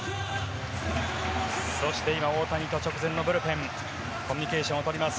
そして今、大谷と直前のブルペンコミュニケーションをとります。